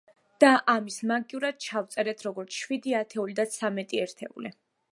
და ამის მაგივრად ჩავწერეთ როგორც შვიდი ათეული და ცამეტი ერთეული.